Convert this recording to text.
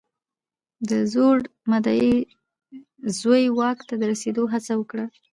د زوړ مدعي زوی واک ته د رسېدو هڅه وکړه.